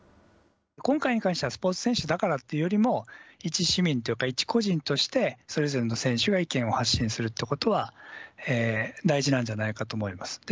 今回に関してはスポーツ選手だからというよりもいち市民というかいち個人としてそれぞれの選手が意見を発信するということは大事なんじゃないかと思います。